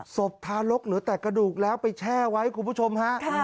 ศพทารกเหลือแต่กระดูกแล้วไปแช่ไว้คุณผู้ชมฮะ